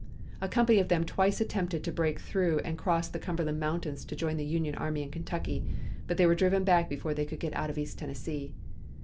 A company of them twice attempted to break through and cross the Cumberland Mountains to join the Union army in Kentucky, but were driven back before they could get out of East Tennessee.